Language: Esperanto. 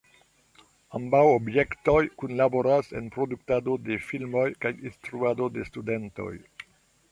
Ambaŭ objektoj kunlaboras en produktado de filmoj kaj instruado de studentoj.